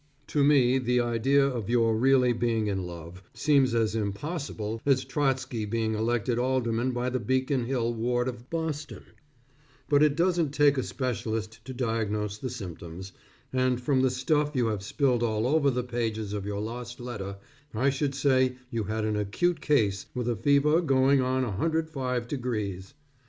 To me, the idea of your really being in love, seems as impossible as Trotsky being elected Alderman by the Beacon Hill Ward of Boston, but it doesn't take a specialist to diagnose the symptoms, and from the stuff you have spilled all over the pages of your last letter, I should say you had an acute case with a fever going on 105 degrees.